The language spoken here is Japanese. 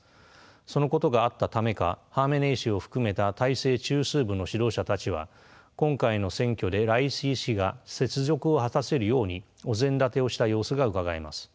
そのことがあったためかハーメネイ師を含めた体制中枢部の指導者たちは今回の選挙でライシ師が雪辱を果たせるようにお膳立てをした様子がうかがえます。